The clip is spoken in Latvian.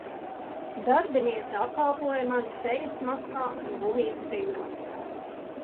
Darbiniece apkalpoja mani sejas maskā un gumijas cimdos.